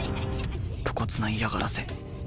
露骨な嫌がらせ。